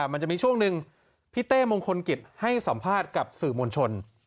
มันจะมีช่วงหนึ่งพี่เต้มงคลกิจให้สัมภาษณ์กับสื่อมวลชน